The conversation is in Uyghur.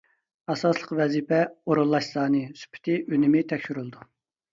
ئاساسلىقى ۋەزىپە ئورۇنلاش سانى، سۈپىتى، ئۈنۈمى تەكشۈرۈلىدۇ.